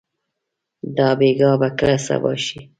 دا بېګا به کله صبا شي؟